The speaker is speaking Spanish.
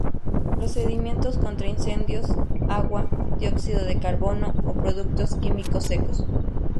Procedimientos Contra incendios: agua, dióxido de carbono o productos químicos secos.